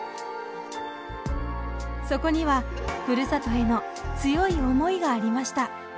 そこにはふるさとへの強い思いがありました。